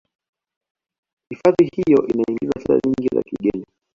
hifadhi hiyo inangiza fedha nyingi za kigeni